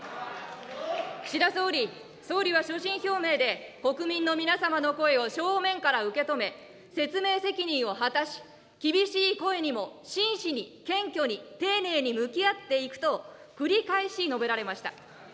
岸田総理、総理は所信表明で国民の皆様の声を正面から受け止め、説明責任を果たし、厳しい声にも真摯に謙虚に丁寧に向き合っていくと、繰り返し述べられました。